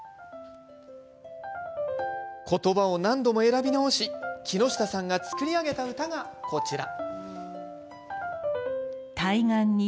言葉を何度も選び直し木下さんが作り上げた歌がこちら。